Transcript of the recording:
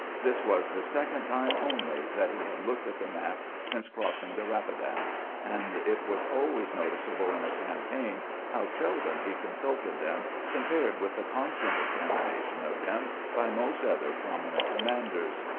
This was the second time only that he had looked at the maps since crossing the Rapidan, and it was always noticeable in a campaign how seldom he consulted them, compared with the constant examination of them by most other prominent commanders.